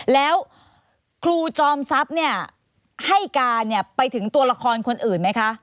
แล้วครูจอมทรัพย์เนี่ยให้การไปถึงตัวละครคนอื่นไหมคะ